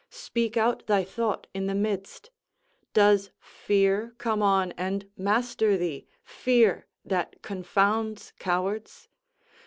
Speak out thy thought in the midst. Does fear come on and master thee, fear, that confounds cowards?